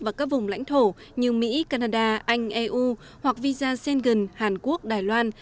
và các vùng lãnh thổ như mỹ canada anh eu hoặc visa sengen hàn quốc đài loan